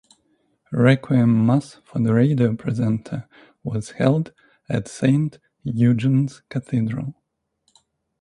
Requiem Mass for the radio presenter was held at Saint Eugene's Cathedral.